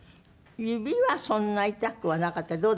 指はそんなに痛くはなかった。